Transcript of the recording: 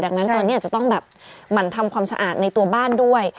ดังนั้นตอนนี้อาจจะต้องแบบหมั่นทำความสะอาดในตัวบ้านด้วย